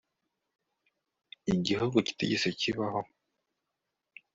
Igihugu kitigeze kibaho